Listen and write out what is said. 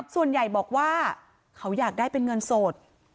ส่วนใหญ่บอกว่าเขาอยากได้เป็นเงินสด